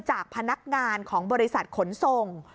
จากพนักงานของบริษัทขนส่ง